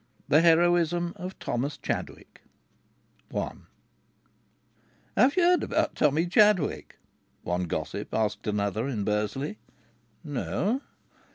THE HEROISM OF THOMAS CHADWICK I "Have you heard about Tommy Chadwick?" one gossip asked another in Bursley. "No."